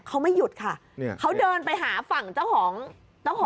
เขาไม่หยุดค่ะเขาเดินไปหาฝั่งเจ้าของเจ้าของ